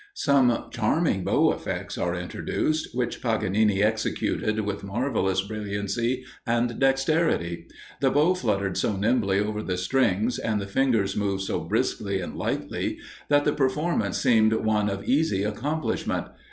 Some charming bow effects are introduced, which Paganini executed with marvellous brilliancy and dexterity. The bow fluttered so nimbly over the strings, and the fingers moved so briskly and lightly, that the performance seemed one of easy accomplishment.